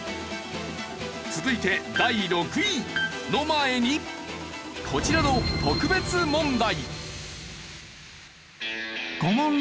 続いて第６位の前にこちらの特別問題。